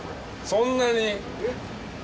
そんなに？